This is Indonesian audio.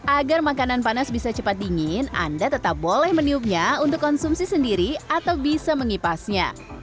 agar makanan panas bisa cepat dingin anda tetap boleh meniupnya untuk konsumsi sendiri atau bisa mengipasnya